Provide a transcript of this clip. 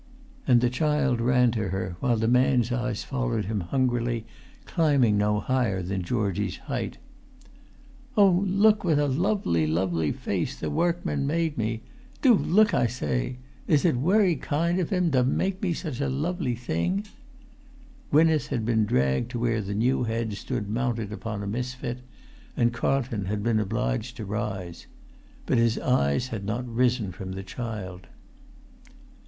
And the child ran to her, while the man's eyes followed him hungrily, climbing no higher than Georgie's height. "Oh, look what a lovely, lovely face the workman made me; do look, I say! Is it wery kind of him to make me such a lovely thing?" Gwynneth had been dragged to where the new head stood mounted upon a misfit; and Carlton had been obliged to rise. But his eyes had not risen from the child.